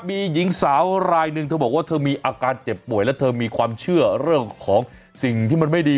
มีหญิงสาวรายหนึ่งเธอบอกว่าเธอมีอาการเจ็บป่วยและเธอมีความเชื่อเรื่องของสิ่งที่มันไม่ดี